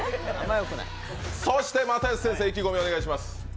そして又吉先生、意気込みをお願いします。